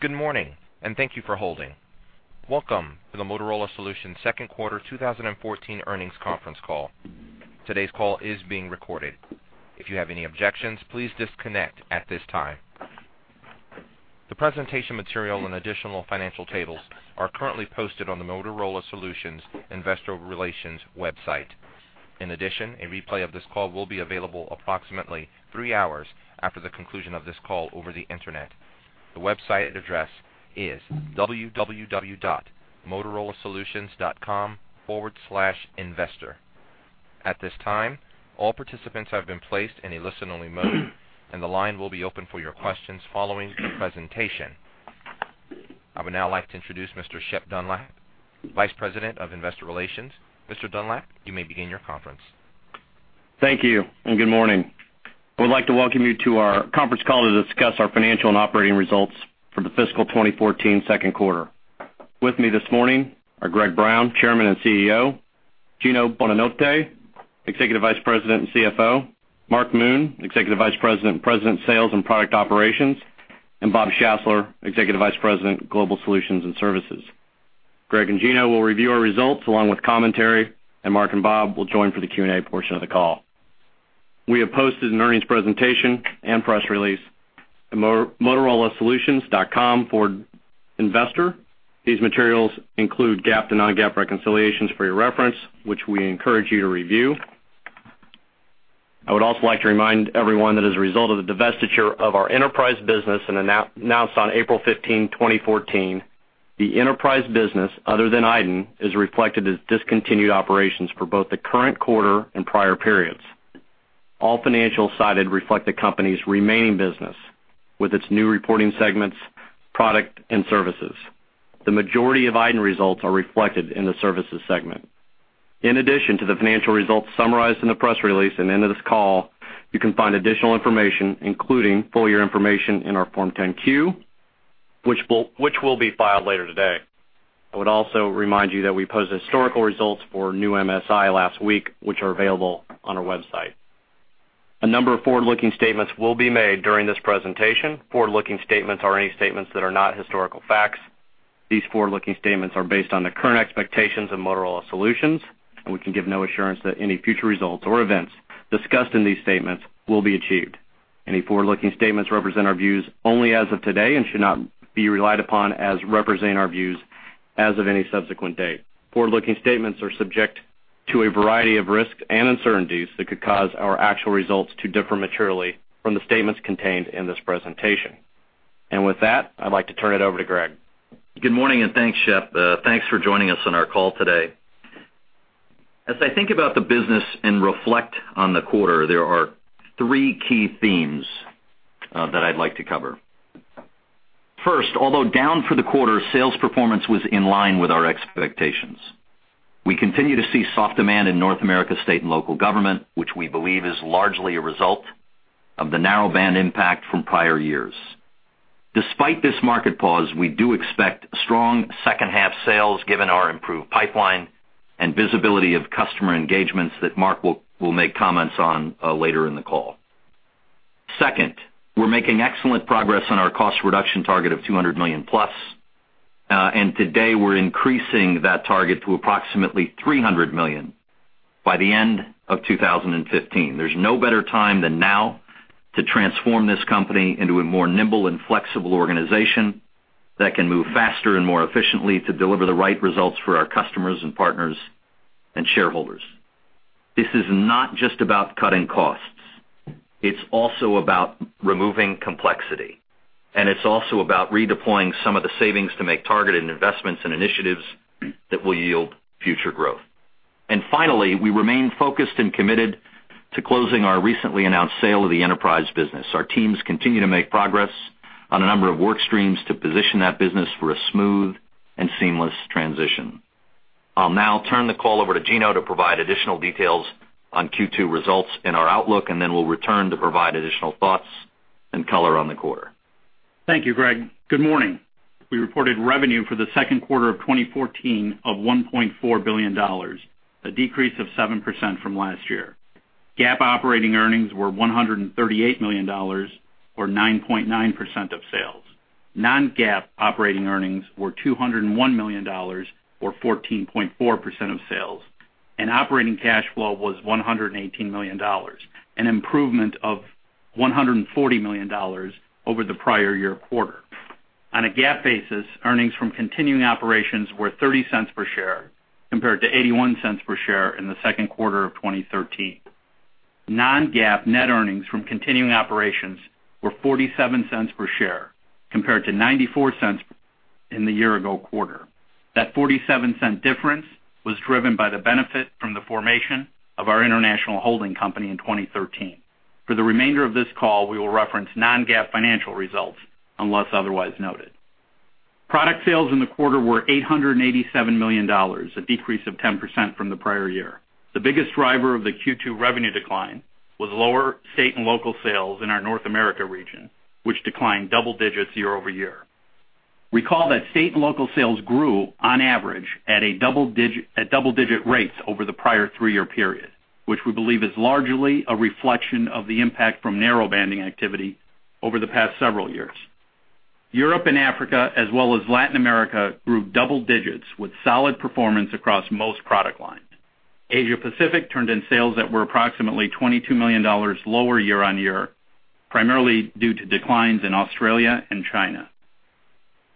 Good morning, and thank you for holding. Welcome to the Motorola Solutions second quarter 2014 earnings conference call. Today's call is being recorded. If you have any objections, please disconnect at this time. The presentation material and additional financial tables are currently posted on the Motorola Solutions investor relations website. In addition, a replay of this call will be available approximately 3 hours after the conclusion of this call over the Internet. The website address is www.motorolasolutions.com/investor. At this time, all participants have been placed in a listen-only mode, and the line will be open for your questions following the presentation. I would now like to introduce Mr. Shep Dunlap, Vice President of Investor Relations. Mr. Dunlap, you may begin your conference. Thank you, and good morning. I would like to welcome you to our conference call to discuss our financial and operating results for the fiscal 2014 second quarter. With me this morning are Greg Brown, Chairman and CEO, Gino Bonanotte, Executive Vice President and CFO, Mark Moon, Executive Vice President and President, Sales and Product Operations, and Bob Schassler, Executive Vice President, Global Solutions and Services. Greg and Gino will review our results along with commentary, and Mark and Bob will join for the Q&A portion of the call. We have posted an earnings presentation and press release at motorolasolutions.com/investor. These materials include GAAP to non-GAAP reconciliations for your reference, which we encourage you to review. I would also like to remind everyone that as a result of the divestiture of our enterprise business announced on April 15, 2014, the enterprise business, other than iDEN, is reflected as discontinued operations for both the current quarter and prior periods. All financials cited reflect the company's remaining business with its new reporting segments, Products and Services. The majority of iDEN results are reflected in the Services segment. In addition to the financial results summarized in the press release and end of this call, you can find additional information, including full year information in our Form 10-Q, which will be filed later today. I would also remind you that we posted historical results for new MSI last week, which are available on our website. A number of forward-looking statements will be made during this presentation. Forward-looking statements are any statements that are not historical facts. These forward-looking statements are based on the current expectations of Motorola Solutions, and we can give no assurance that any future results or events discussed in these statements will be achieved. Any forward-looking statements represent our views only as of today and should not be relied upon as representing our views as of any subsequent date. Forward-looking statements are subject to a variety of risks and uncertainties that could cause our actual results to differ materially from the statements contained in this presentation. With that, I'd like to turn it over to Greg. Good morning, and thanks, Shep. Thanks for joining us on our call today. As I think about the business and reflect on the quarter, there are three key themes that I'd like to cover. First, although down for the quarter, sales performance was in line with our expectations. We continue to see soft demand in North America state and local government, which we believe is largely a result of the narrowbanding impact from prior years. Despite this market pause, we do expect strong second-half sales, given our improved pipeline and visibility of customer engagements that Mark will make comments on later in the call. Second, we're making excellent progress on our cost reduction target of $200 million plus, and today we're increasing that target to approximately $300 million by the end of 2015. There's no better time than now to transform this company into a more nimble and flexible organization that can move faster and more efficiently to deliver the right results for our customers and partners and shareholders. This is not just about cutting costs, it's also about removing complexity, and it's also about redeploying some of the savings to make targeted investments and initiatives that will yield future growth. And finally, we remain focused and committed to closing our recently announced sale of the enterprise business. Our teams continue to make progress on a number of work streams to position that business for a smooth and seamless transition. I'll now turn the call over to Gino to provide additional details on Q2 results and our outlook, and then we'll return to provide additional thoughts and color on the quarter. Thank you, Greg. Good morning. We reported revenue for the second quarter of 2014 of $1.4 billion, a decrease of 7% from last year. GAAP operating earnings were $138 million, or 9.9% of sales. Non-GAAP operating earnings were $201 million, or 14.4% of sales, and operating cash flow was $118 million, an improvement of $140 million over the prior year quarter. On a GAAP basis, earnings from continuing operations were $0.30 per share, compared to $0.81 per share in the second quarter of 2013. Non-GAAP net earnings from continuing operations were $0.47 per share, compared to $0.94 in the year ago quarter. That $0.47 difference was driven by the benefit from the formation of our international holding company in 2013. For the remainder of this call, we will reference non-GAAP financial results, unless otherwise noted. Product sales in the quarter were $887 million, a decrease of 10% from the prior year. The biggest driver of the Q2 revenue decline was lower state and local sales in our North America region, which declined double digits year over year. Recall that state and local sales grew on average at a double digit, at double-digit rates over the prior three-year period, which we believe is largely a reflection of the impact from narrowbanding activity over the past several years. Europe and Africa, as well as Latin America, grew double digits, with solid performance across most product lines. Asia Pacific turned in sales that were approximately $22 million lower year-on-year, primarily due to declines in Australia and China.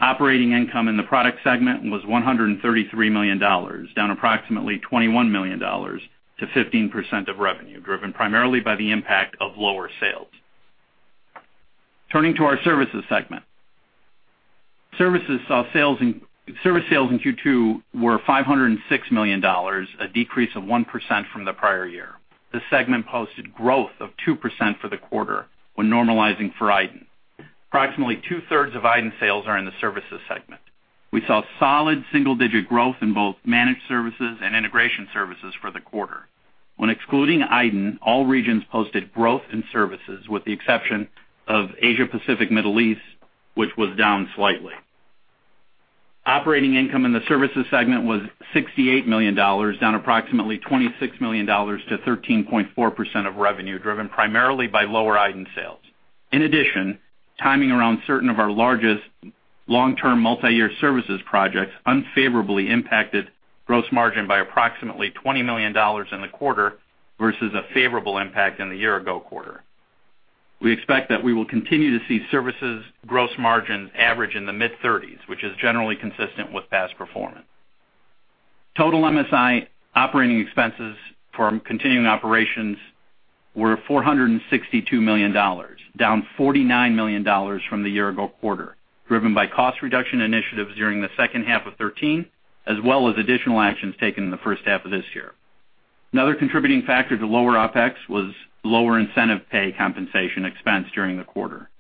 Operating income in the product segment was $133 million, down approximately $21 million to 15% of revenue, driven primarily by the impact of lower sales. Turning to our services segment. Services saw service sales in Q2 were $506 million, a decrease of 1% from the prior year. The segment posted growth of 2% for the quarter when normalizing for iDEN. Approximately two-thirds of iDEN sales are in the services segment. We saw solid single-digit growth in both managed services and integration services for the quarter. When excluding iDEN, all regions posted growth in services, with the exception of Asia Pacific, Middle East, which was down slightly. Operating income in the services segment was $68 million, down approximately $26 million to 13.4% of revenue, driven primarily by lower iDEN sales. In addition, timing around certain of our largest long-term multi-year services projects unfavorably impacted gross margin by approximately $20 million in the quarter, versus a favorable impact in the year ago quarter. We expect that we will continue to see services gross margin average in the mid-30s%, which is generally consistent with past performance. Total MSI operating expenses from continuing operations were $462 million, down $49 million from the year ago quarter, driven by cost reduction initiatives during the second half of 2013, as well as additional actions taken in the first half of this year. Another contributing factor to lower OpEx was lower incentive pay compensation expense during the quarter.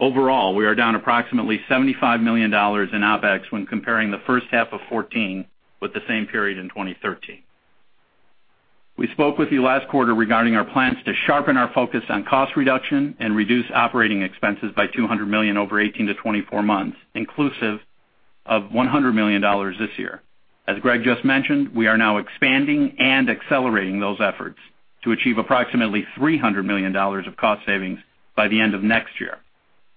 Overall, we are down approximately $75 million in OpEx when comparing the first half of 2014 with the same period in 2013. We spoke with you last quarter regarding our plans to sharpen our focus on cost reduction and reduce operating expenses by $200 million over 18-24 months, inclusive of $100 million this year. As Greg just mentioned, we are now expanding and accelerating those efforts to achieve approximately $300 million of cost savings by the end of next year.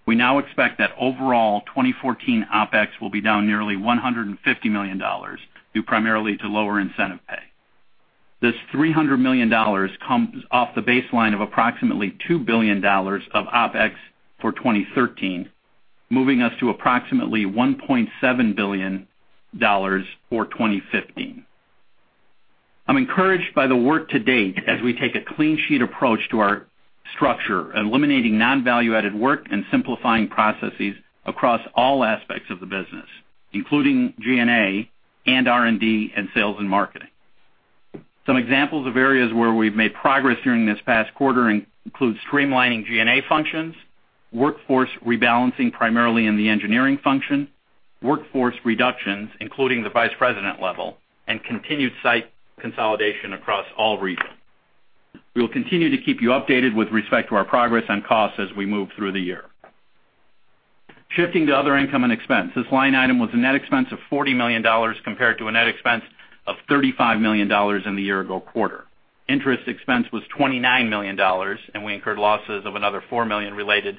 We now expect that overall 2014 OpEx will be down nearly $150 million, due primarily to lower incentive pay. This $300 million comes off the baseline of approximately $2 billion of OpEx for 2013, moving us to approximately $1.7 billion for 2015. I'm encouraged by the work to date as we take a clean sheet approach to our structure, eliminating non-value-added work and simplifying processes across all aspects of the business, including G&A and R&D, and sales and marketing. Some examples of areas where we've made progress during this past quarter includes streamlining G&A functions, workforce rebalancing, primarily in the engineering function, workforce reductions, including the vice president level, and continued site consolidation across all regions. We will continue to keep you updated with respect to our progress on costs as we move through the year. Shifting to other income and expense. This line item was a net expense of $40 million compared to a net expense of $35 million in the year ago quarter. Interest expense was $29 million, and we incurred losses of another $4 million related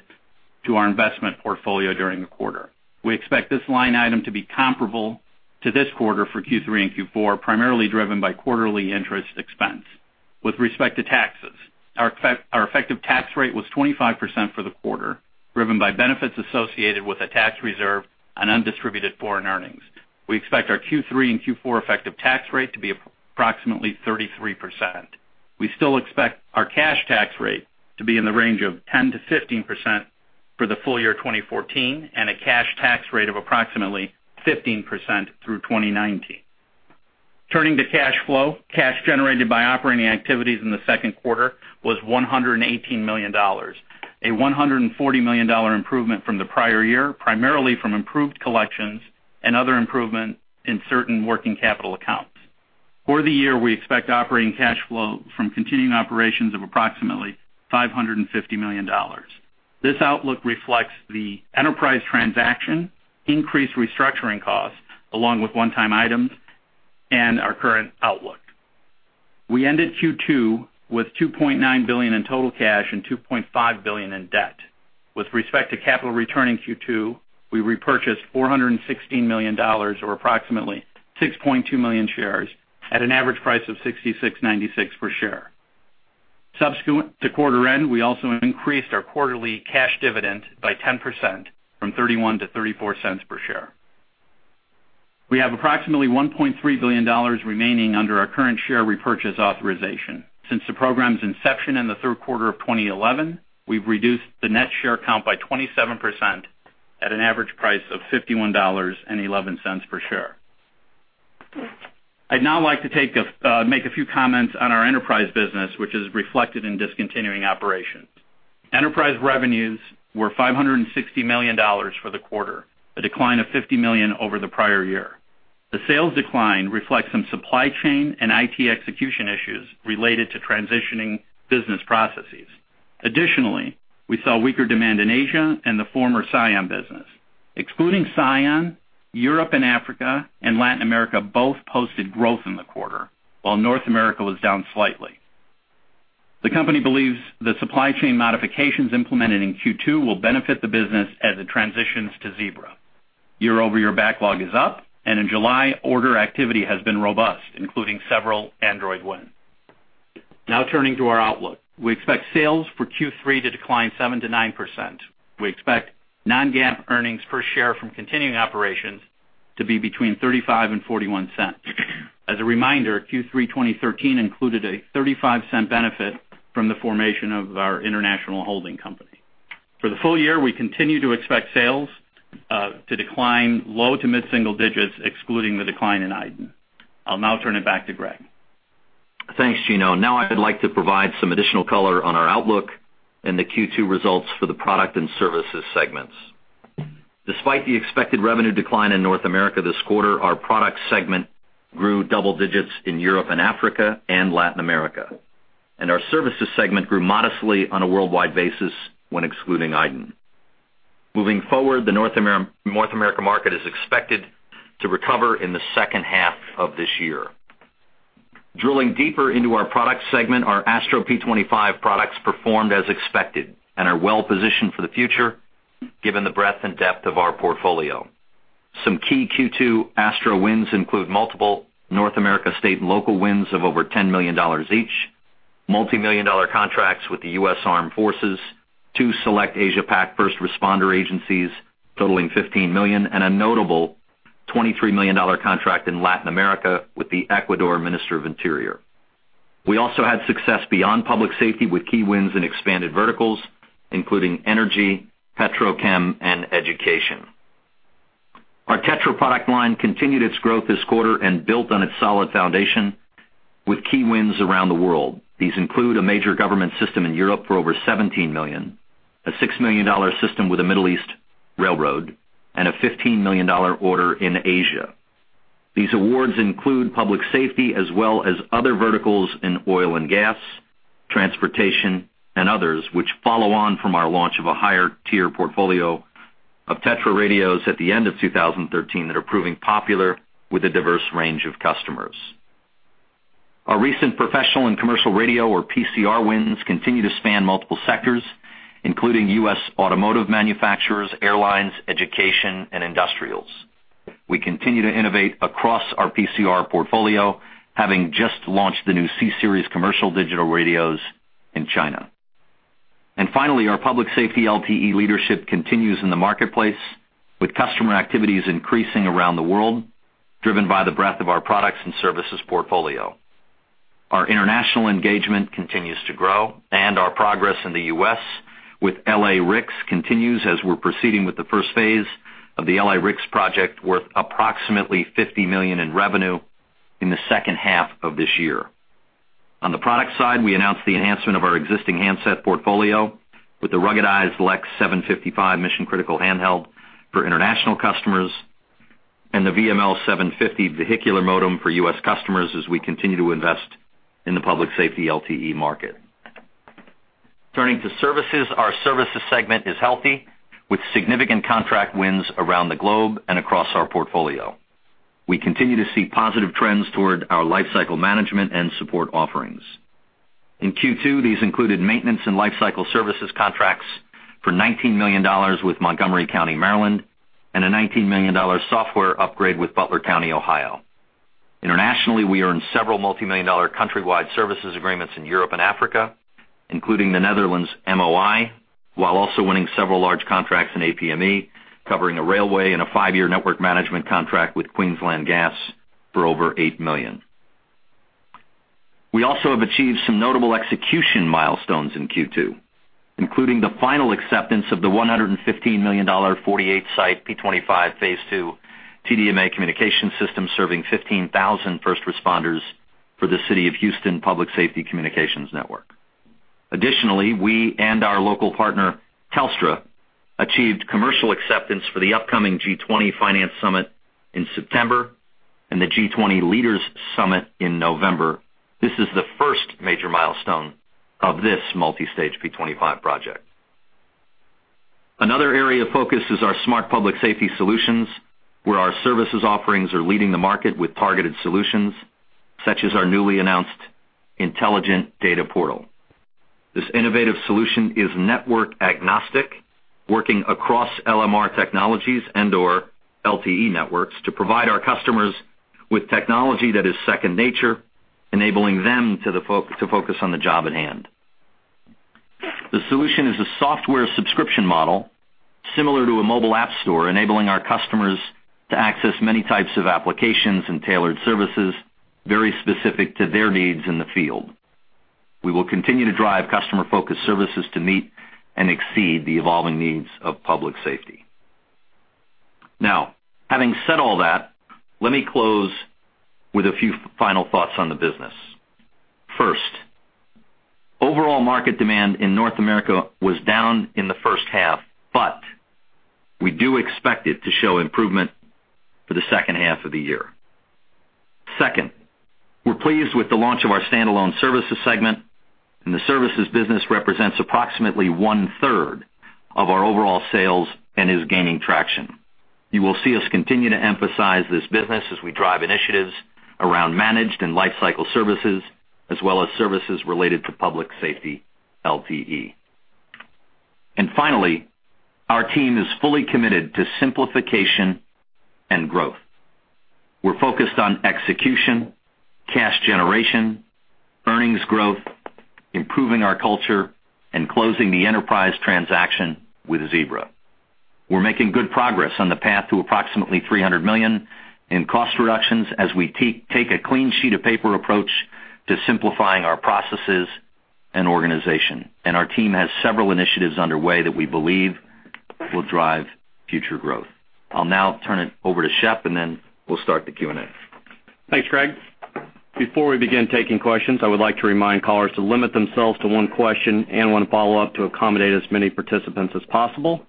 to our investment portfolio during the quarter. We expect this line item to be comparable to this quarter for Q3 and Q4, primarily driven by quarterly interest expense. With respect to taxes, our effective tax rate was 25% for the quarter, driven by benefits associated with a tax reserve on undistributed foreign earnings. We expect our Q3 and Q4 effective tax rate to be approximately 33%. We still expect our cash tax rate to be in the range of 10%-15% for the full year 2014, and a cash tax rate of approximately 15% through 2019. Turning to cash flow. Cash generated by operating activities in the second quarter was $118 million, a $140 million improvement from the prior year, primarily from improved collections and other improvement in certain working capital accounts. For the year, we expect operating cash flow from continuing operations of approximately $550 million. This outlook reflects the enterprise transaction, increased restructuring costs, along with one-time items and our current outlook. We ended Q2 with $2.9 billion in total cash and $2.5 billion in debt. With respect to capital return in Q2, we repurchased $416 million, or approximately 6.2 million shares, at an average price of $66.96 per share. Subsequent to quarter end, we also increased our quarterly cash dividend by 10% from $0.31 to $0.34 per share. We have approximately $1.3 billion remaining under our current share repurchase authorization. Since the program's inception in the third quarter of 2011, we've reduced the net share count by 27% at an average price of $51.11 per share. I'd now like to make a few comments on our enterprise business, which is reflected in discontinuing operations. Enterprise revenues were $560 million for the quarter, a decline of $50 million over the prior year. The sales decline reflects some supply chain and IT execution issues related to transitioning business processes. Additionally, we saw weaker demand in Asia and the former Psion business. Excluding Psion, Europe and Africa and Latin America both posted growth in the quarter, while North America was down slightly. The company believes the supply chain modifications implemented in Q2 will benefit the business as it transitions to Zebra. Year-over-year backlog is up, and in July, order activity has been robust, including several Android wins. Now turning to our outlook. We expect sales for Q3 to decline 7%-9%. We expect non-GAAP earnings per share from continuing operations to be between $0.35 and $0.41. As a reminder, Q3 2013 included a $0.35 benefit from the formation of our international holding company. For the full year, we continue to expect sales to decline low- to mid-single digits, excluding the decline in iDEN. I'll now turn it back to Greg. Thanks, Gino. Now, I'd like to provide some additional color on our outlook and the Q2 results for the product and services segments. Despite the expected revenue decline in North America this quarter, our product segment grew double digits in Europe and Africa and Latin America, and our services segment grew modestly on a worldwide basis when excluding iDEN. Moving forward, the North America market is expected to recover in the second half of this year. Drilling deeper into our product segment, our ASTRO 25 products performed as expected and are well positioned for the future, given the breadth and depth of our portfolio. Some key Q2 ASTRO wins include multiple North America state and local wins of over $10 million each, multimillion-dollar contracts with the U.S. Armed Forces, two select Asia Pac first responder agencies totaling $15 million, and a notable $23 million contract in Latin America with the Ecuador Ministry of Interior. We also had success beyond public safety, with key wins and expanded verticals, including energy, petrochem, and education. Our TETRA product line continued its growth this quarter and built on its solid foundation with key wins around the world. These include a major government system in Europe for over $17 million, a $6 million system with a Middle East railroad, and a $15 million order in Asia. These awards include public safety as well as other verticals in oil and gas, transportation, and others, which follow on from our launch of a higher tier portfolio of TETRA radios at the end of 2013 that are proving popular with a diverse range of customers. Our recent professional and commercial radio, or PCR, wins continue to span multiple sectors, including U.S. automotive manufacturers, airlines, education, and industrials. We continue to innovate across our PCR portfolio, having just launched the new C-Series commercial digital radios in China. And finally, our public safety LTE leadership continues in the marketplace, with customer activities increasing around the world, driven by the breadth of our products and services portfolio. Our international engagement continues to grow, and our progress in the U.S. with LA-RICS continues as we're proceeding with the first phase of the LA-RICS project, worth approximately $50 million in revenue in the second half of this year. On the product side, we announced the enhancement of our existing handset portfolio with the ruggedized LEX 755 Mission Critical handheld for international customers and the VML750 vehicular modem for U.S. customers as we continue to invest in the public safety LTE market. Turning to services, our services segment is healthy, with significant contract wins around the globe and across our portfolio. We continue to see positive trends toward our Lifecycle Management and support offerings. In Q2, these included maintenance and lifecycle services contracts for $19 million with Montgomery County, Maryland, and a $19 million software upgrade with Butler County, Ohio. Internationally, we earned several multimillion-dollar countrywide services agreements in Europe and Africa, including the Netherlands MOI, while also winning several large contracts in APME, covering a railway and a five-year network management contract with Queensland Gas for over $8 million. We also have achieved some notable execution milestones in Q2; including the final acceptance of the $115 million, 48 site, P25, Phase II TDMA communication system, serving 15,000 first responders for the City of Houston Public Safety Communications Network. Additionally, we and our local partner, Telstra, achieved commercial acceptance for the upcoming G20 Finance Summit in September and the G20 Leaders Summit in November. This is the first major milestone of this multi-stage P25 project. Another area of focus is our Smart Public Safety Solutions, where our services offerings are leading the market with targeted solutions, such as our newly announced Intelligent Data Portal. This innovative solution is network agnostic, working across LMR technologies and/or LTE networks to provide our customers with technology that is second nature, enabling them to focus on the job at hand. The solution is a software subscription model similar to a mobile app store, enabling our customers to access many types of applications and tailored services, very specific to their needs in the field. We will continue to drive customer-focused services to meet and exceed the evolving needs of public safety. Now, having said all that, let me close with a few final thoughts on the business. First,... Overall market demand in North America was down in the first half, but we do expect it to show improvement for the second half of the year. Second, we're pleased with the launch of our standalone services segment, and the services business represents approximately one-third of our overall sales and is gaining traction. You will see us continue to emphasize this business as we drive initiatives around managed and life cycle services, as well as services related to public safety LTE. And finally, our team is fully committed to simplification and growth. We're focused on execution, cash generation, earnings growth, improving our culture, and closing the enterprise transaction with Zebra. We're making good progress on the path to approximately $300 million in cost reductions as we take a clean sheet of paper approach to simplifying our processes and organization. And our team has several initiatives underway that we believe will drive future growth. I'll now turn it over to Shep, and then we'll start the Q&A. Thanks, Greg. Before we begin taking questions, I would like to remind callers to limit themselves to one question and one follow-up to accommodate as many participants as possible.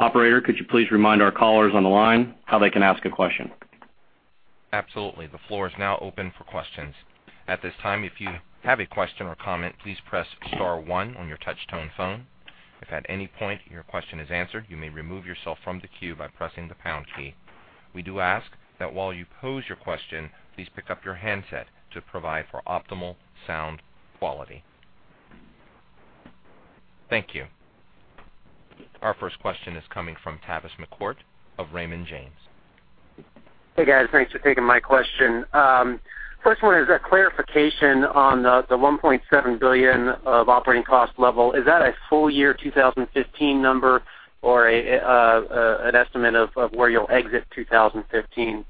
Operator, could you please remind our callers on the line how they can ask a question? Absolutely. The floor is now open for questions. At this time, if you have a question or comment, please press star one on your touchtone phone. If at any point your question is answered, you may remove yourself from the queue by pressing the pound key. We do ask that while you pose your question, please pick up your handset to provide for optimal sound quality. Thank you. Our first question is coming from Tavis McCourt of Raymond James. Hey, guys, thanks for taking my question. First one is a clarification on the one point seven billion of operating cost level. Is that a full year 2015 number or an estimate of where you'll exit 2015?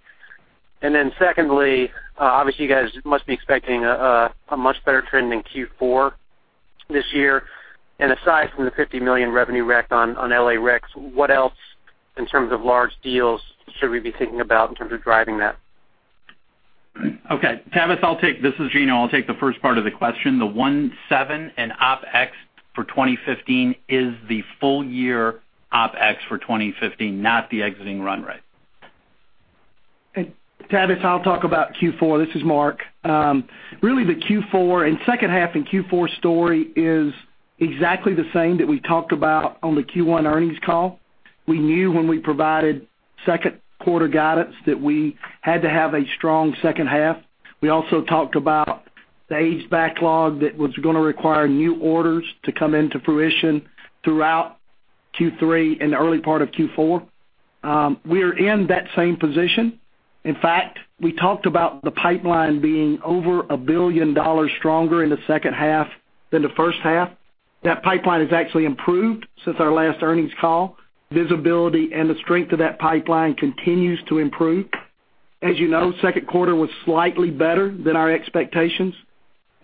And then secondly, obviously, you guys must be expecting a much better trend in Q4 this year. And aside from the $50 million revenue rec on LA-RICS, what else in terms of large deals should we be thinking about in terms of driving that? Okay, Tavis, I'll take... This is Gino. I'll take the first part of the question. The 17 in OpEx for 2015 is the full year OpEx for 2015, not the exiting run rate. Tavis, I'll talk about Q4. This is Mark. Really, the Q4 and second half in Q4 story is exactly the same that we talked about on the Q1 earnings call. We knew when we provided second quarter guidance that we had to have a strong second half. We also talked about the aged backlog that was going to require new orders to come into fruition throughout Q3 and the early part of Q4. We are in that same position. In fact, we talked about the pipeline being over $1 billion stronger in the second half than the first half. That pipeline has actually improved since our last earnings call. Visibility and the strength of that pipeline continues to improve. As you know, second quarter was slightly better than our expectations,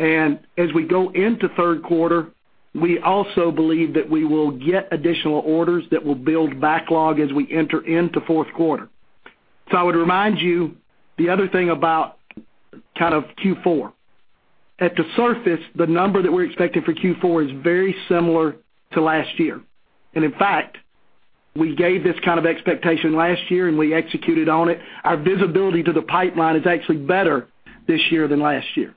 and as we go into third quarter, we also believe that we will get additional orders that will build backlog as we enter into fourth quarter. So I would remind you, the other thing about kind of Q4. At the surface, the number that we're expecting for Q4 is very similar to last year. And in fact, we gave this kind of expectation last year, and we executed on it. Our visibility to the pipeline is actually better this year than last year.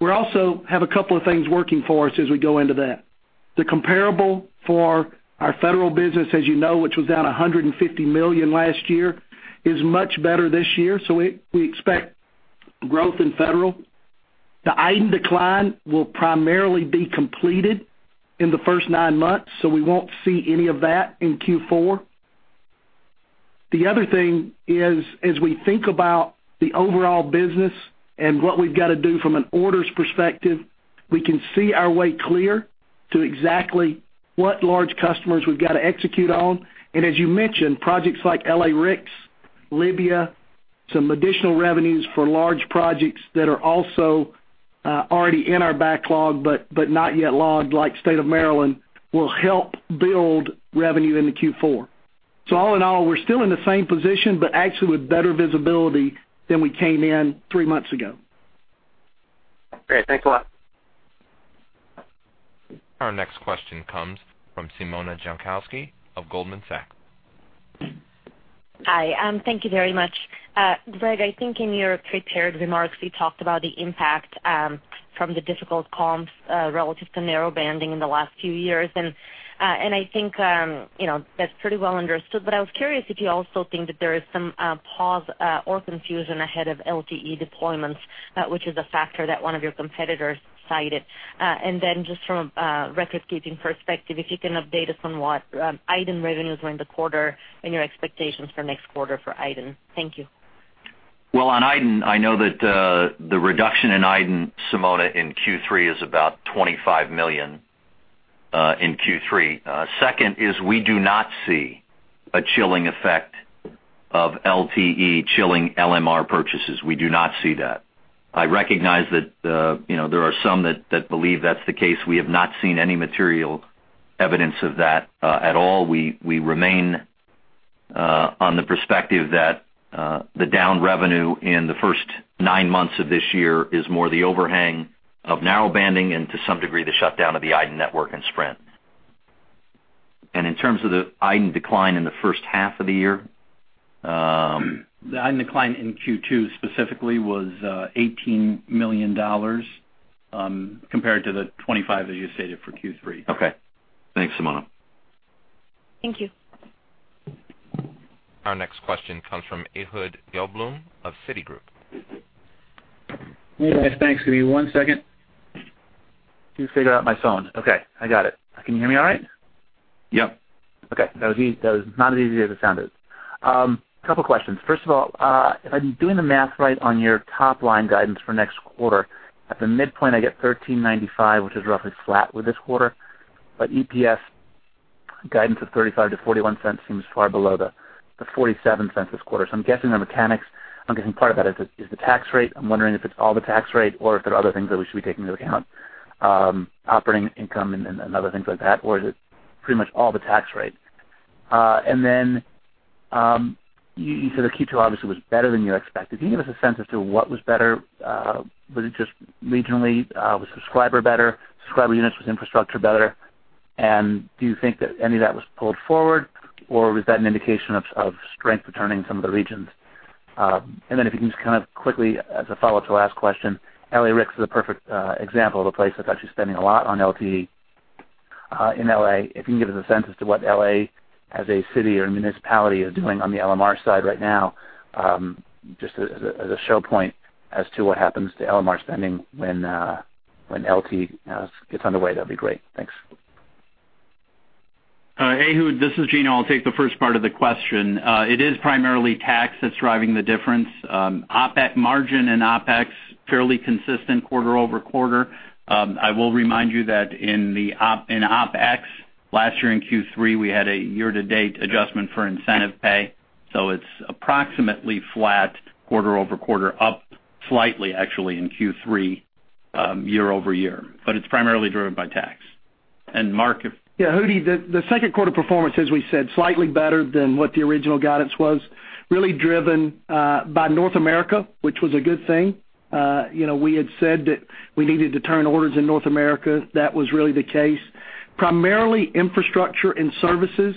We also have a couple of things working for us as we go into that. The comparable for our federal business, as you know, which was down $150 million last year, is much better this year, so we expect growth in federal. The iDEN decline will primarily be completed in the first nine months, so we won't see any of that in Q4. The other thing is, as we think about the overall business and what we've got to do from an orders perspective, we can see our way clear to exactly what large customers we've got to execute on. And as you mentioned, projects like LA-RICS, Libya, some additional revenues for large projects that are also already in our backlog, but, but not yet logged, like State of Maryland, will help build revenue into Q4. So all in all, we're still in the same position, but actually with better visibility than we came in three months ago. Great. Thanks a lot. Our next question comes from Simona Jankowski of Goldman Sachs. Hi, thank you very much. Greg, I think in your prepared remarks, you talked about the impact from the difficult comps relative to narrowbanding in the last few years. And I think, you know, that's pretty well understood. But I was curious if you also think that there is some pause or confusion ahead of LTE deployments, which is a factor that one of your competitors cited. And then just from a record-keeping perspective, if you can update us on what iDEN revenues were in the quarter and your expectations for next quarter for iDEN. Thank you. Well, on iDEN, I know that, the reduction in iDEN, Simona, in Q3 is about $25 million in Q3. Second is we do not see a chilling effect of LTE, chilling LMR purchases. We do not see that. I recognize that, you know, there are some that believe that's the case. We have not seen any material evidence of that at all. We remain on the perspective that the down revenue in the first nine months of this year is more the overhang of narrowbanding and to some degree, the shutdown of the iDEN network and Sprint. And in terms of the iDEN decline in the first half of the year, The iDEN decline in Q2 specifically was $18 million compared to the $25 million that you stated for Q3. Okay. Thanks, Simona. Thank you. Our next question comes from Ehud Gelblum of Citigroup. Thanks. Give me one second to figure out my phone. Okay, I got it. Can you hear me all right? Yep. Okay, that was easy. That was not as easy as it sounded. A couple of questions. First of all, if I'm doing the math right on your top-line guidance for next quarter, at the midpoint, I get $1,395, which is roughly flat with this quarter, but EPS guidance of $0.35-$0.41 seems far below the $0.47 this quarter. So I'm guessing the mechanics. I'm guessing part of that is the tax rate. I'm wondering if it's all the tax rate or if there are other things that we should be taking into account, operating income and other things like that, or is it pretty much all the tax rate? And then, you said the Q2 obviously was better than you expected. Can you give us a sense as to what was better? Was it just regionally? Was subscriber better, subscriber units, was infrastructure better? And do you think that any of that was pulled forward, or was that an indication of strength returning some of the regions? And then if you can just kind of quickly, as a follow-up to last question, LA-RICS is a perfect example of a place that's actually spending a lot on LTE in LA. If you can give us a sense as to what LA as a city or municipality is doing on the LMR side right now, just as a show point as to what happens to LMR spending when LTE gets underway, that'd be great. Thanks. Ehud, this is Gino. I'll take the first part of the question. It is primarily tax that's driving the difference. OpEx margin and OpEx, fairly consistent quarter-over-quarter. I will remind you that in OpEx, last year in Q3, we had a year-to-date adjustment for incentive pay, so it's approximately flat quarter-over-quarter, up slightly, actually, in Q3, year-over-year, but it's primarily driven by tax. And Mark, if- Yeah, Ehud, the second quarter performance, as we said, slightly better than what the original guidance was, really driven by North America, which was a good thing. You know, we had said that we needed to turn orders in North America. That was really the case. Primarily infrastructure and services,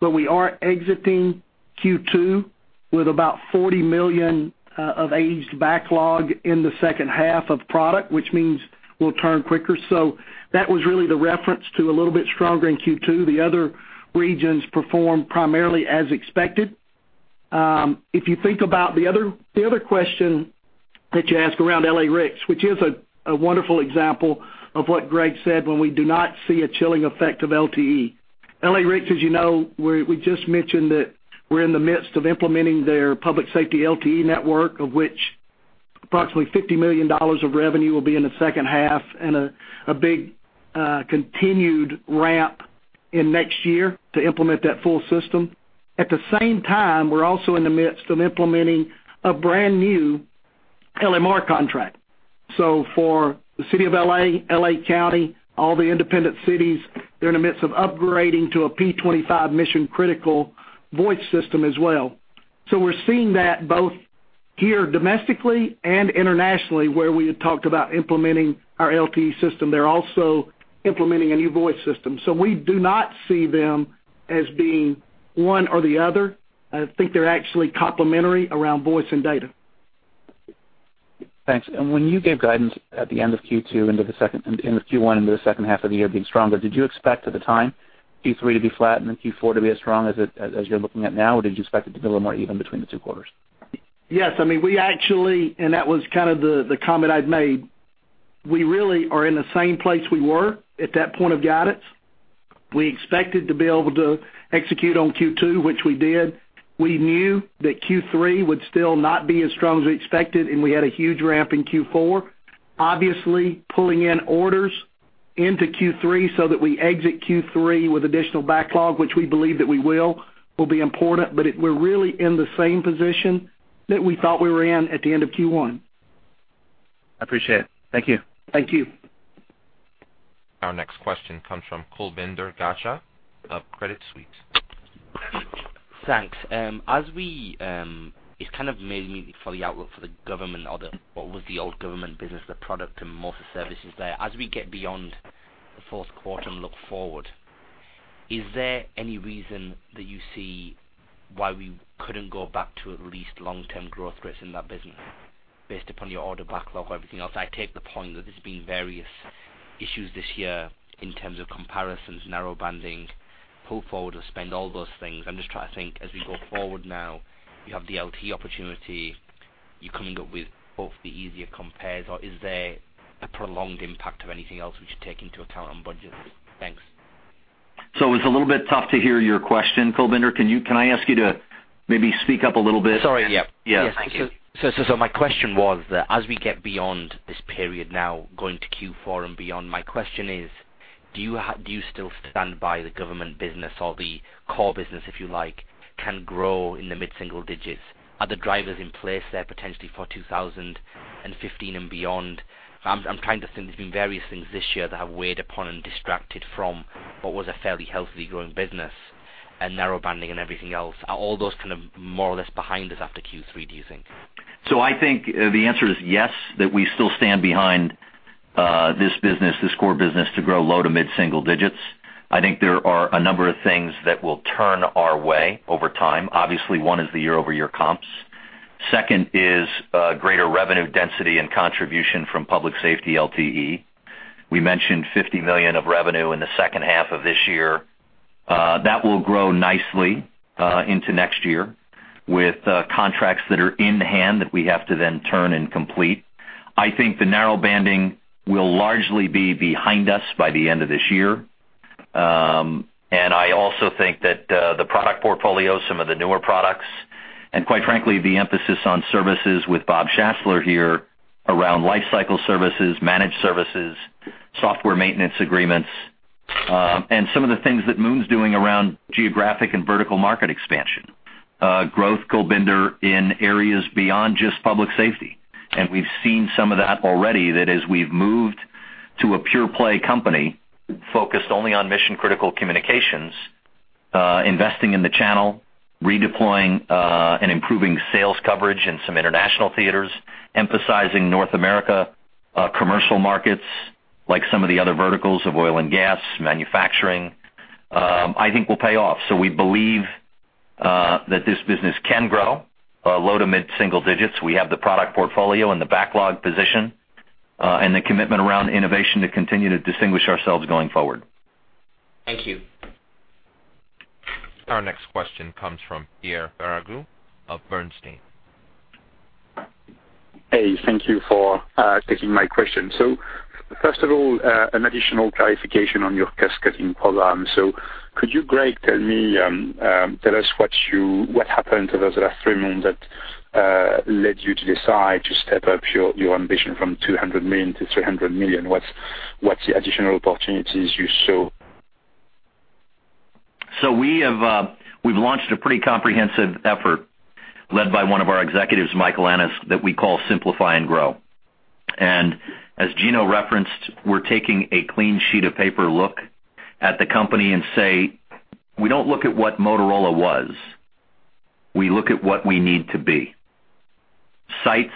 but we are exiting Q2 with about $40 million of aged backlog in the second half of product, which means we'll turn quicker. So that was really the reference to a little bit stronger in Q2. The other regions performed primarily as expected. If you think about the other question that you asked around LA-RICS, which is a wonderful example of what Greg said, when we do not see a chilling effect of LTE. LA-RICS, as you know, we just mentioned that we're in the midst of implementing their public safety LTE network, of which approximately $50 million of revenue will be in the second half and a big continued ramp in next year to implement that full system. At the same time, we're also in the midst of implementing a brand-new LMR contract. So for the city of L.A., L.A. County, all the independent cities, they're in the midst of upgrading to a P25 mission-critical voice system as well. So we're seeing that both here, domestically and internationally, where we had talked about implementing our LTE system. They're also implementing a new voice system, so we do not see them as being one or the other. I think they're actually complementary around voice and data. Thanks. And when you gave guidance at the end of Q2 into the second half of the year being stronger, did you expect at the time, Q3 to be flat and then Q4 to be as strong as it, as you're looking at now? Or did you expect it to be a little more even between the two quarters? Yes. I mean, we actually, and that was kind of the comment I'd made. We really are in the same place we were at that point of guidance. We expected to be able to execute on Q2, which we did. We knew that Q3 would still not be as strong as we expected, and we had a huge ramp in Q4. Obviously, pulling in orders into Q3 so that we exit Q3 with additional backlog, which we believe that we will, will be important, but it, we're really in the same position that we thought we were in at the end of Q1. I appreciate it. Thank you. Thank you. Our next question comes from Kulbinder Garcha of Credit Suisse. Thanks. As we, it's kind of mainly for the outlook for the government or the, what was the old government business, the product and most of the services there. As we get beyond the fourth quarter and look forward, is there any reason that you see why we couldn't go back to at least long-term growth rates in that business based upon your order backlog or everything else? I take the point that there's been various issues this year in terms of comparisons, narrowbanding, pull forward of spend, all those things. I'm just trying to think as we go forward now, you have the LTE opportunity, you're coming up with hopefully easier compares, or is there a prolonged impact of anything else we should take into account on budgets? Thanks. It's a little bit tough to hear your question, Kulbinder. Can I ask you to maybe speak up a little bit? Sorry. Yeah. Yeah, thank you. My question was that as we get beyond this period now, going to Q4 and beyond, my question is: do you have, do you still stand by the government business or the core business, if you like, can grow in the mid-single digits? Are the drivers in place there potentially for 2015 and beyond? I'm trying to think. There's been various things this year that have weighed upon and distracted from what was a fairly healthy, growing business.... and narrowbanding and everything else. Are all those kind of more or less behind us after Q3, do you think? So I think the answer is yes, that we still stand behind, this business, this core business, to grow low to mid-single digits. I think there are a number of things that will turn our way over time. Obviously, one is the year-over-year comps. Second is, greater revenue density and contribution from public safety LTE. We mentioned $50 million of revenue in the second half of this year. That will grow nicely, into next year with, contracts that are in hand that we have to then turn and complete. I think the narrowbanding will largely be behind us by the end of this year. And I also think that the product portfolio, some of the newer products, and quite frankly, the emphasis on services with Bob Schassler here around Lifecycle Services, managed services, software maintenance agreements, and some of the things that Moon's doing around geographic and vertical market expansion, growth, Kulbinder, in areas beyond just public safety. And we've seen some of that already, that as we've moved to a pure play company focused only on mission-critical communications, investing in the channel, redeploying, and improving sales coverage in some international theaters, emphasizing North America, commercial markets, like some of the other verticals of oil and gas, manufacturing, I think will pay off. So we believe that this business can grow low- to mid-single digits. We have the product portfolio and the backlog position, and the commitment around innovation to continue to distinguish ourselves going forward. Thank you. Our next question comes from Pierre Ferragu of Bernstein. Hey, thank you for taking my question. So first of all, an additional clarification on your cost-cutting program. So could you, Greg, tell us what happened to those last three months that led you to decide to step up your ambition from $200 million to $300 million? What's the additional opportunities you saw? So we have, we've launched a pretty comprehensive effort led by one of our executives, Michael Annes, that we call Simplify and Grow. And as Gino referenced, we're taking a clean sheet of paper look at the company and say, "We don't look at what Motorola was. We look at what we need to be." Sites,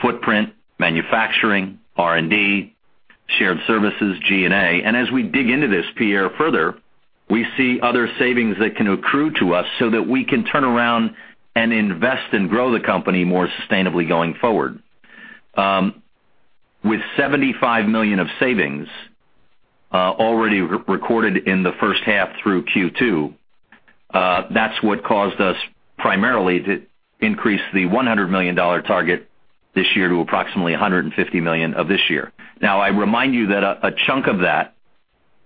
footprint, manufacturing, R&D, shared services, G&A. And as we dig into this, Pierre, further, we see other savings that can accrue to us so that we can turn around and invest and grow the company more sustainably going forward. With $75 million of savings already re-recorded in the first half through Q2, that's what caused us primarily to increase the $100 million target this year to approximately $150 million this year. Now, I remind you that a chunk of that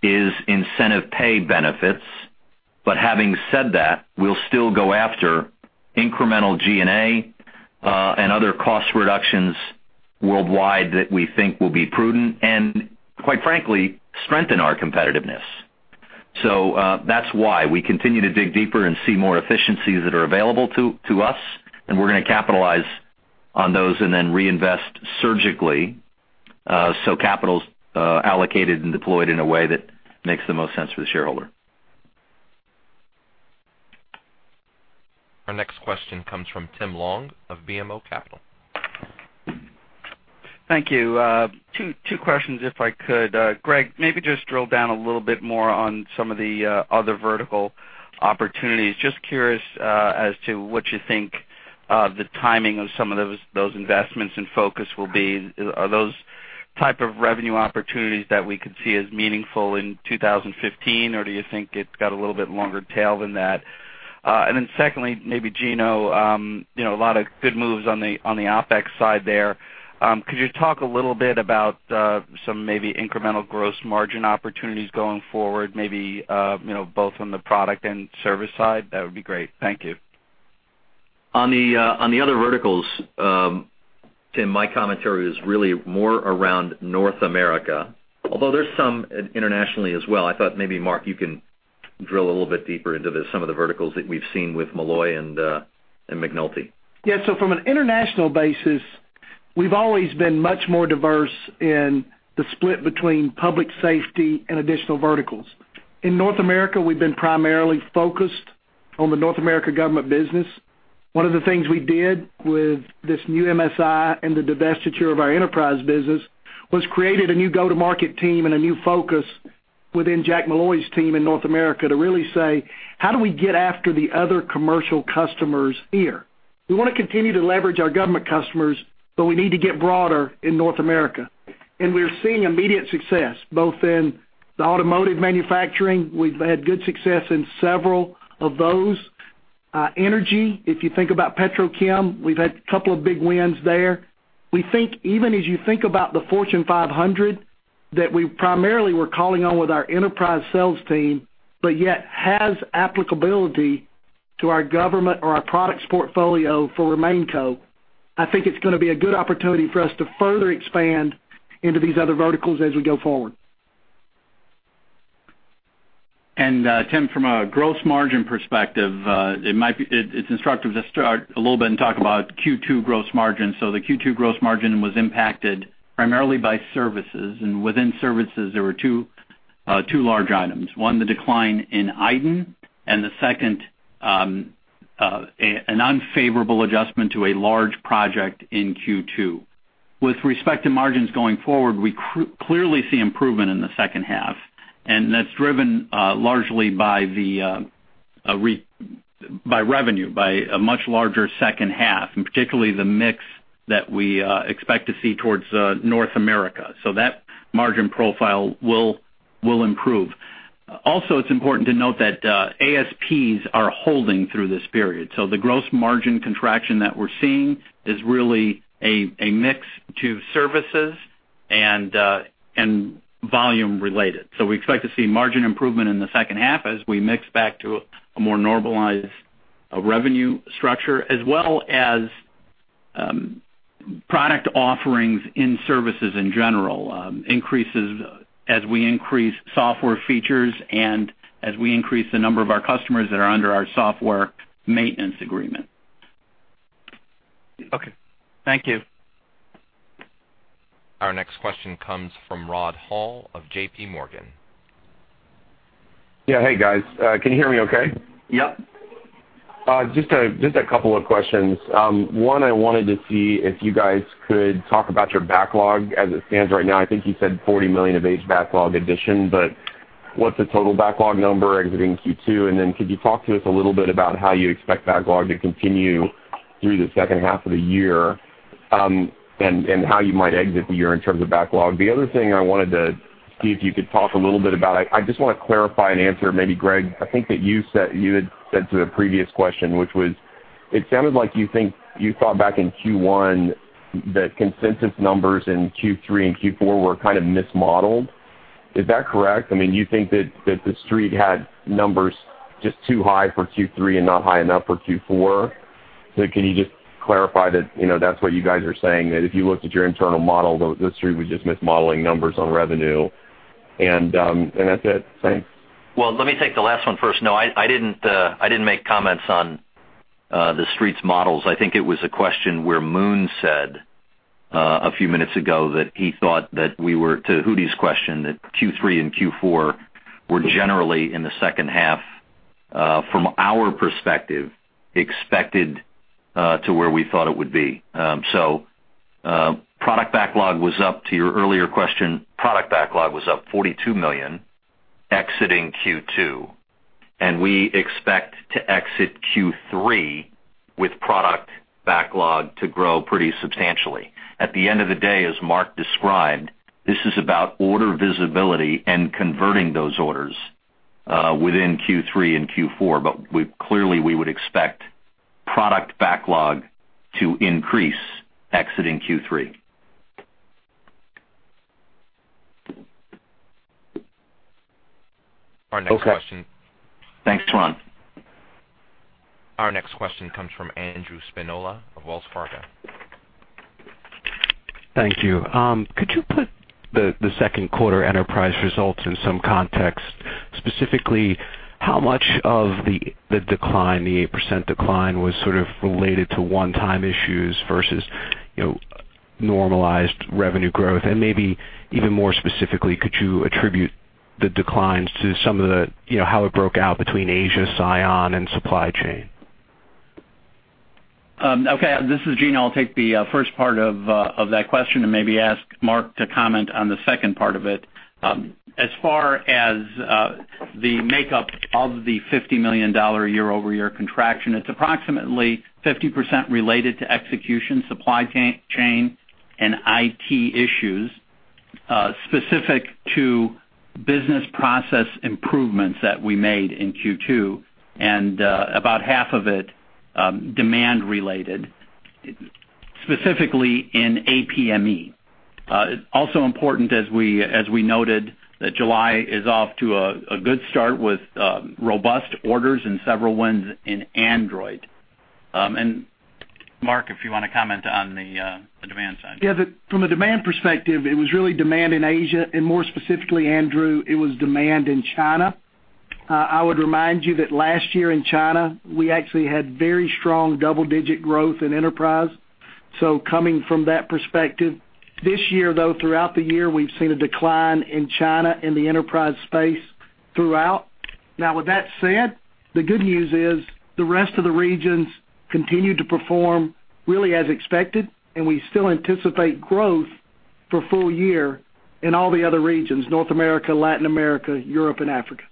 is incentive pay benefits. But having said that, we'll still go after incremental G&A, and other cost reductions worldwide that we think will be prudent and, quite frankly, strengthen our competitiveness. So, that's why we continue to dig deeper and see more efficiencies that are available to us, and we're going to capitalize on those and then reinvest surgically, so capital's allocated and deployed in a way that makes the most sense for the shareholder. Our next question comes from Tim Long of BMO Capital. Thank you. 2 questions, if I could. Greg, maybe just drill down a little bit more on some of the other vertical opportunities. Just curious, as to what you think, the timing of some of those investments and focus will be. Are those type of revenue opportunities that we could see as meaningful in 2015, or do you think it's got a little bit longer tail than that? And then secondly, maybe Gino, you know, a lot of good moves on the OpEx side there. Could you talk a little bit about some maybe incremental gross margin opportunities going forward, maybe, you know, both on the product and service side? That would be great. Thank you. On the other verticals, Tim, my commentary is really more around North America, although there's some internationally as well. I thought maybe, Mark, you can drill a little bit deeper into some of the verticals that we've seen with Molloy and McNulty. Yeah, so from an international basis, we've always been much more diverse in the split between public safety and additional verticals. In North America, we've been primarily focused on the North America government business. One of the things we did with this new MSI and the divestiture of our enterprise business was created a new go-to-market team and a new focus within Jack Molloy's team in North America to really say: How do we get after the other commercial customers here? We want to continue to leverage our government customers, but we need to get broader in North America. And we're seeing immediate success, both in the automotive manufacturing. We've had good success in several of those. Energy, if you think about petrochem, we've had a couple of big wins there. We think even as you think about the Fortune 500, that we primarily were calling on with our enterprise sales team, but yet has applicability to our government or our products portfolio for RemainCo, I think it's going to be a good opportunity for us to further expand into these other verticals as we go forward. Tim, from a gross margin perspective, it might be—it, it's instructive to start a little bit and talk about Q2 gross margin. So the Q2 gross margin was impacted primarily by services, and within services, there were two, two large items. One, the decline in iDEN, and the second,... an unfavorable adjustment to a large project in Q2. With respect to margins going forward, we clearly see improvement in the second half, and that's driven largely by the by revenue, by a much larger second half, and particularly the mix that we expect to see towards North America. So that margin profile will improve. Also, it's important to note that ASPs are holding through this period. So the gross margin contraction that we're seeing is really a mix to services and volume related. So we expect to see margin improvement in the second half as we mix back to a more normalized revenue structure, as well as product offerings in services in general increases as we increase software features and as we increase the number of our customers that are under our software maintenance agreement. Okay. Thank you. Our next question comes from Rod Hall of JPMorgan. Yeah. Hey, guys. Can you hear me okay? Yep. Just a couple of questions. One, I wanted to see if you guys could talk about your backlog as it stands right now. I think you said $40 million of LMR backlog addition, but what's the total backlog number exiting Q2? And then could you talk to us a little bit about how you expect backlog to continue through the second half of the year, and how you might exit the year in terms of backlog? The other thing I wanted to see if you could talk a little bit about. I just wanna clarify an answer, maybe, Greg. I think that you said—you had said to the previous question, which was, it sounded like you thought back in Q1, that consensus numbers in Q3 and Q4 were kind of mismodeled. Is that correct? I mean, you think that, that The Street had numbers just too high for Q3 and not high enough for Q4? So can you just clarify that, you know, that's what you guys are saying, that if you looked at your internal model, the, The Street was just mismodeling numbers on revenue. And, and that's it. Thanks. Well, let me take the last one first. No, I didn't make comments on The Street's models. I think it was a question where Moon said a few minutes ago that he thought that we were, to Ehud's question, that Q3 and Q4 were generally in the second half from our perspective expected to where we thought it would be. So, product backlog was up. To your earlier question, product backlog was up $42 million exiting Q2, and we expect to exit Q3 with product backlog to grow pretty substantially. At the end of the day, as Mark described, this is about order visibility and converting those orders within Q3 and Q4, but clearly, we would expect product backlog to increase exiting Q3. Okay. Thanks, Rod. Our next question comes from Andrew Spinola of Wells Fargo. Thank you. Could you put the second quarter enterprise results in some context, specifically, how much of the decline, the 8% decline, was sort of related to one-time issues versus, you know, normalized revenue growth? And maybe even more specifically, could you attribute the declines to some of the, you know, how it broke out between Asia, Psion, and supply chain? Okay, this is Gino. I'll take the first part of that question and maybe ask Mark to comment on the second part of it. As far as the makeup of the $50 million year-over-year contraction, it's approximately 50% related to execution, supply chain, and IT issues specific to business process improvements that we made in Q2, and about half of it demand related, specifically in APME. It's also important as we noted that July is off to a good start with robust orders and several wins in Android. And Mark, if you wanna comment on the demand side. Yeah, from a demand perspective, it was really demand in Asia, and more specifically, Andrew, it was demand in China. I would remind you that last year in China, we actually had very strong double-digit growth in enterprise. So coming from that perspective, this year, though, throughout the year, we've seen a decline in China, in the enterprise space throughout. Now, with that said, the good news is the rest of the regions continued to perform really as expected, and we still anticipate growth for full year in all the other regions, North America, Latin America, Europe, and Africa.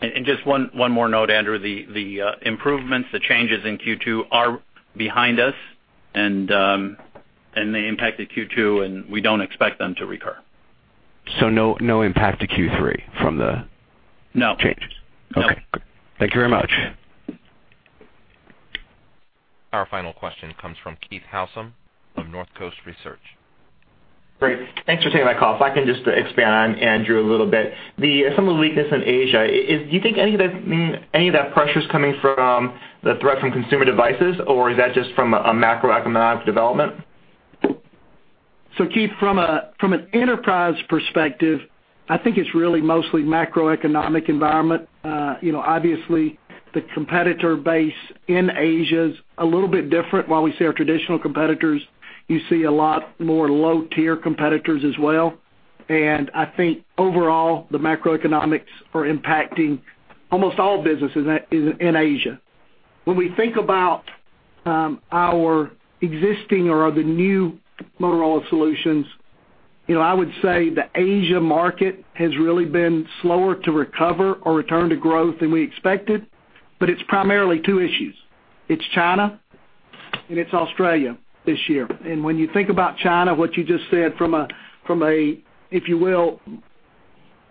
And just one more note, Andrew. The improvements, the changes in Q2 are behind us, and they impacted Q2, and we don't expect them to recur. So no, no impact to Q3 from the- No. -changes? No. Okay, cool. Thank you very much. Our final question comes from Keith Housum of Northcoast Research. Great. Thanks for taking my call. If I can just expand on Andrew a little bit, the similar weakness in Asia, is do you think any of that, any of that pressure is coming from the threat from consumer devices, or is that just from a macroeconomic development? So Keith, from an enterprise perspective, I think it's really mostly macroeconomic environment. You know, obviously, the competitor base in Asia is a little bit different. While we see our traditional competitors, you see a lot more low-tier competitors as well... and I think overall, the macroeconomics are impacting almost all businesses in Asia. When we think about our existing or the new Motorola Solutions, you know, I would say the Asia market has really been slower to recover or return to growth than we expected, but it's primarily two issues: It's China, and it's Australia this year. And when you think about China, what you just said from a, if you will,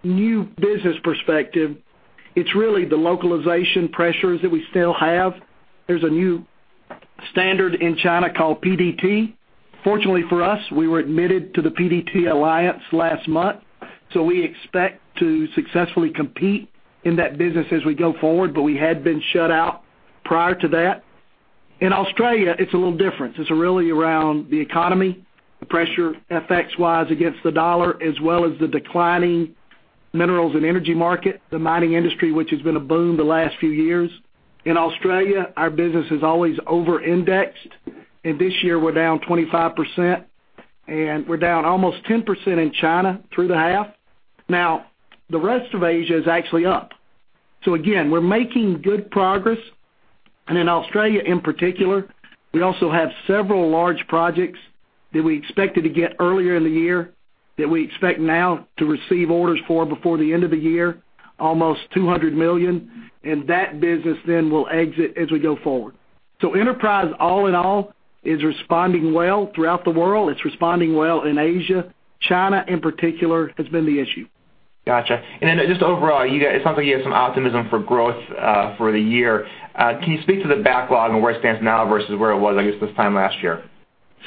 new business perspective, it's really the localization pressures that we still have. There's a new standard in China called PDT. Fortunately for us, we were admitted to the PDT Alliance last month, so we expect to successfully compete in that business as we go forward, but we had been shut out prior to that. In Australia, it's a little different. It's really around the economy, the pressure FX-wise against the dollar, as well as the declining minerals and energy market, the mining industry, which has been a boom the last few years. In Australia, our business is always over-indexed, and this year we're down 25%, and we're down almost 10% in China through the half. Now, the rest of Asia is actually up. So again, we're making good progress. In Australia, in particular, we also have several large projects that we expected to get earlier in the year, that we expect now to receive orders for before the end of the year, almost $200 million, and that business then will exit as we go forward. Enterprise, all in all, is responding well throughout the world. It's responding well in Asia. China, in particular, has been the issue. Gotcha. And then just overall, you guys, it sounds like you have some optimism for growth, for the year. Can you speak to the backlog and where it stands now versus where it was, I guess, this time last year?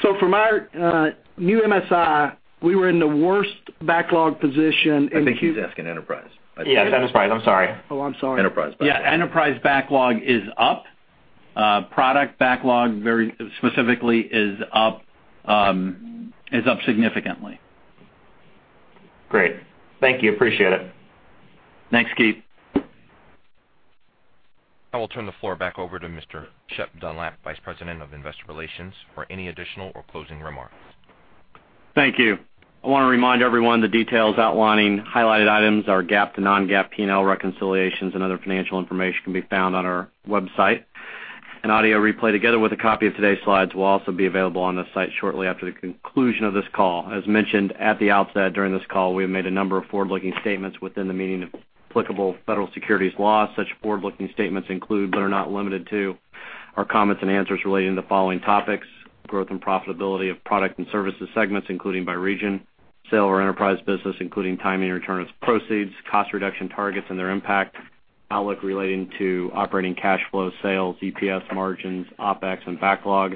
So from our new MSI, we were in the worst backlog position in- I think he's asking Enterprise. Yes, Enterprise, I'm sorry. Oh, I'm sorry. Enterprise backlog. Yeah, Enterprise backlog is up. Product backlog, very specifically, is up, is up significantly. Great. Thank you. Appreciate it. Thanks, Keith. I will turn the floor back over to Mr. Shep Dunlap, Vice President of Investor Relations, for any additional or closing remarks. Thank you. I want to remind everyone the details outlining highlighted items, our GAAP to non-GAAP P&L reconciliations and other financial information can be found on our website. An audio replay, together with a copy of today's slides, will also be available on the site shortly after the conclusion of this call. As mentioned at the outset, during this call, we have made a number of forward-looking statements within the meaning of applicable federal securities laws. Such forward-looking statements include, but are not limited to, our comments and answers relating to the following topics: growth and profitability of product and services segments, including by region. Sale of enterprise business, including timing and return of proceeds. Cost reduction targets and their impact. Outlook relating to operating cash flow, sales, EPS, margins, OpEx, and backlog.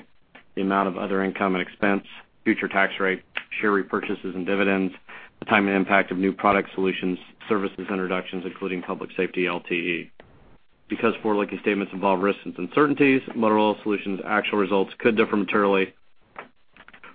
The amount of other income and expense. Future tax rate. Share repurchases and dividends. The timing and impact of new product solutions, services introductions, including public safety LTE. Because forward-looking statements involve risks and uncertainties, Motorola Solutions' actual results could differ materially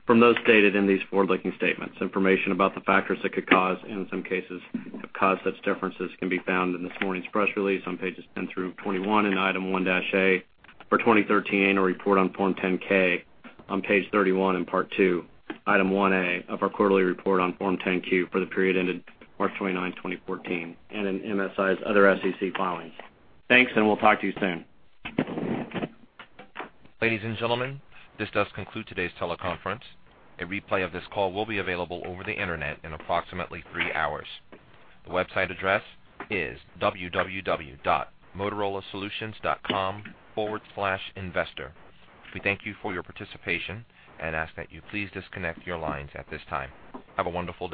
from those stated in these forward-looking statements. Information about the factors that could cause, in some cases, have caused such differences can be found in this morning's press release on pages 10 through 21 and Item 1A for 2013 annual report on Form 10-K on page 31, and Part II, Item 1A of our quarterly report on Form 10-Q for the period ended March 29, 2014, and in MSI's other SEC filings. Thanks, and we'll talk to you soon. Ladies and gentlemen, this does conclude today's teleconference. A replay of this call will be available over the Internet in approximately three hours. The website address is www.motorolasolutions.com/investor. We thank you for your participation and ask that you please disconnect your lines at this time. Have a wonderful day.